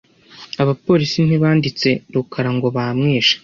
Abapolisi ntibanditse rukara ngo bamwishe .